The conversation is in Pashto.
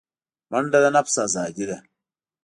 منډه د نفس آزادي ده